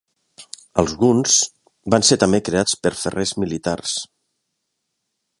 Alguns van ser també creats per ferrers militars.